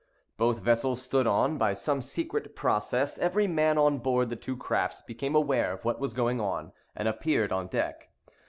Both vessels stood on. By some secret process, every man on board the two crafts became aware of what was going on, and appeared on deck.